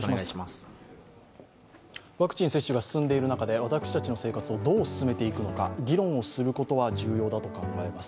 ワクチン接種が進んでいる中で私たちの生活をどう進めていくのか議論をすることは重要だと考えます。